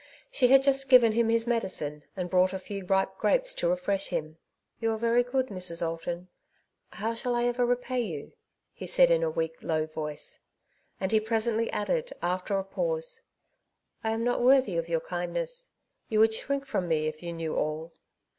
She had just given him his medicine, and brought a few ripe grapes to refresh him. " You are very good, Mrs. Alton ; how shall I ever repay you?*^ he said in a weak^ low voice; and he presently added, after a pause, '^ I am not worthy of your kindness. You would shrink from me if you knew all."